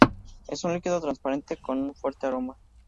Es un líquido transparente con un fuerte aroma.